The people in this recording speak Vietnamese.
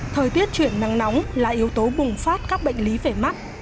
thời tiết chuyển nắng nóng là yếu tố bùng phát các bệnh lý về mắt